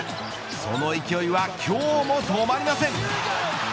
その勢いは今日も止まりません。